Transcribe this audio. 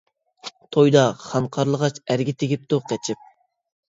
تويىدا خان قارلىغاچ، ئەرگە تېگىپتۇ قېچىپ.